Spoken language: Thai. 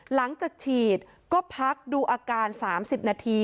หลังจากฉีดก็พักดูอาการ๓๐นาที